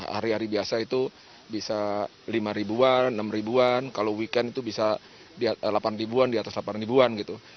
hari hari biasa itu bisa lima ribu an enam ribu an kalau weekend itu bisa di delapan ribu di atas delapan ribu an gitu